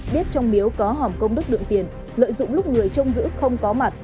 biết trong miếu có hỏng công đức lượng tiền lợi dụng lúc người trông giữ không có mặt